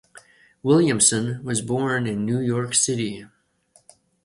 Williamson was born in New York City.